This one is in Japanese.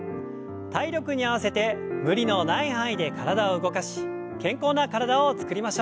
体力に合わせて無理のない範囲で体を動かし健康な体をつくりましょう。